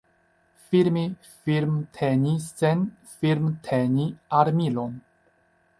Firme firmteni sen firmteni armilon.